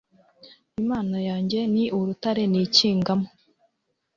Imana yanjye ni Urutare nikingamo